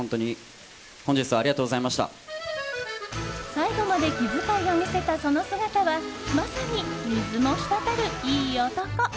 最後まで気遣いを見せたその姿はまさに、水も滴るいい男。